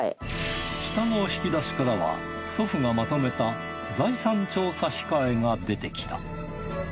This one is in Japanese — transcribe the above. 下の引き出しからは祖父がまとめた財産調査控が出てきた。